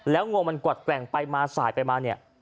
งวงมันกวัดแกว่งไปมาสายไปมาเนี่ย